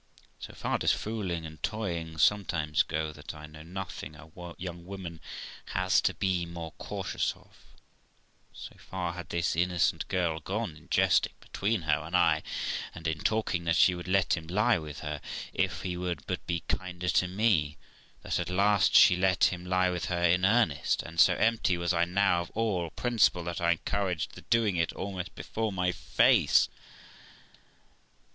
So far does fooling and toying sometimes go that I know nothing a young woman has to be more cautious of; so far had this innocent girl gone in jesting between her and I, and in talking that she would let him lie with her, if he would but be kinder to me, that at last she let him lie with her in earnest; and, so empty was I now of all principle, that I encouraged the doing it almost before my face.